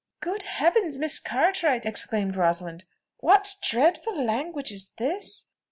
"Good Heavens! Miss Cartwright," exclaimed Rosalind, "what dreadful language is this?